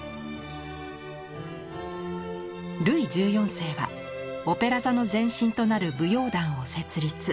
ルイ１４世はオペラ座の前身となる舞踊団を設立。